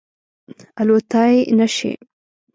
الوتلای نه شي